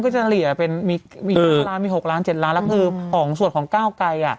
เฉลี่ยเป็นมี๕ล้านมี๖ล้าน๗ล้านแล้วคือของสวดของก้าวไกร